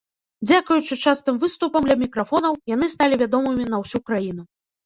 Дзякуючы частым выступам ля мікрафонаў, яны сталі вядомымі на ўсю краіну.